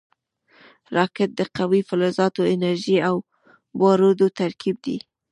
راکټ د قوي فلزاتو، انرژۍ او بارودو ترکیب دی